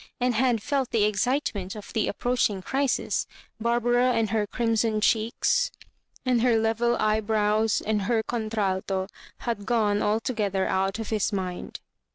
and had felt the excitement of the approaching crisis, Barbara, and her crimson cheeks, and her level eyebrows, and her coritralto, had gone alto* gether out of bis mind.